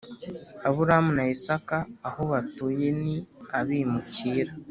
aburahamu na isaka aho batuye ni abimukira